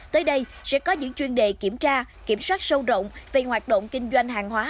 tới đây sẽ có những chuyên đề kiểm tra kiểm soát sâu rộng về hoạt động kinh doanh hàng hóa